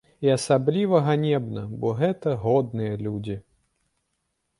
І асабліва ганебна, бо гэта годныя людзі.